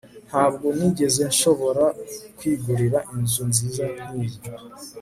Ntabwo nigeze nshobora kwigurira inzu nziza nkiyi